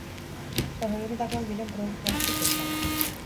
Sasoi honetakoak diren produktu askok bezala.